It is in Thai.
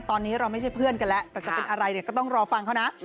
ตอนนี้เราไม่ใช่เพื่อนกันแล้วแต่จะเป็นอะไรเนี่ยก็ต้องรอฟังเขานะ